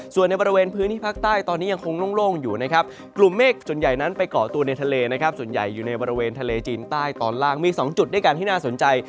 ส่วนในบริเวณพื้นที่ภาคใต้ตอนนี้ยังคงโล่งอยู่นะครับกลุ่มเมฆส่วนใหญ่นั้นไปก่อตัวในทะเลนะครับส่วนใหญ่อยู่ในบริเวณทะเลจีนใต้ตอนล่างมี๒จุดด้วยกันที่น่าสนใจ